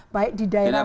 baik di daerah mana